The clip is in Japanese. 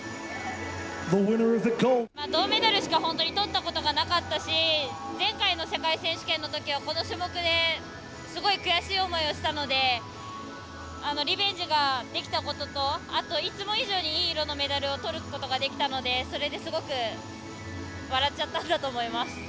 銅メダルしか本当にとったことがなかったし前回の世界選手権のときはこの種目ですごい悔しい思いをしたのでリベンジができたことといつも以上にいい色のメダルをとることができたのでそれですごく笑っちゃったんだと思います。